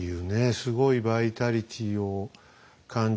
すごいバイタリティーを感じますしねえ？